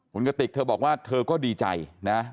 คุณกติกเธอบอกว่าเธอก็ดีใจนะ